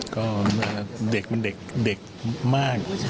ก็เด็กมันเด็กมาก